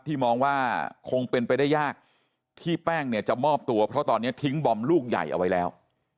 มองว่าคงเป็นไปได้ยากที่แป้งเนี่ยจะมอบตัวเพราะตอนนี้ทิ้งบอมลูกใหญ่เอาไว้แล้ว